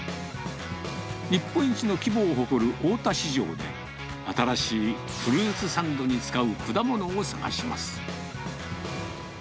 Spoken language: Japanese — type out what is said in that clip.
日本一の規模を誇る大田市場で、新しいフルーツサンドに使う果物を探します。